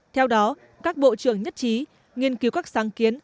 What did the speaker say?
theo đó các bộ trưởng nhất trí nghiên cứu các sáng kiến